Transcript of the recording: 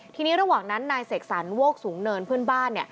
ทีนี้ระหว่างนั้นนายเสกสรรโวกสูงเนินเพื่อนบ้าน